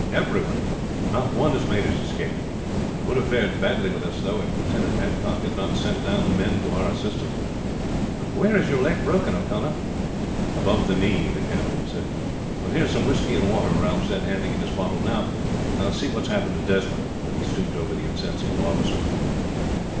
"Everyone; not one has made his escape. It would have fared badly with us, though, if Lieutenant Adcock had not sent down the men to our assistance. Where is your leg broken, O'Connor?" "Above the knee," the captain said. "Here is some whisky and water," Ralph said, handing him his bottle. "Now, I will see what has happened to Desmond," and he stooped over the insensible officer.